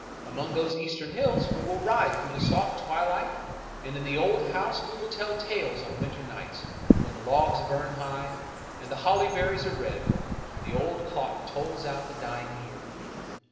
Among those eastern hills we will ride through the soft twilight, and in the old house we will tell tales on winter nights, when the logs burn high, and the holly berries are red, and the old clock tolls out the dying year.